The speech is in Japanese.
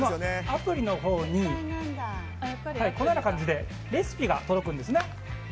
アプリのほうにこのような感じでレシピが届くんですね。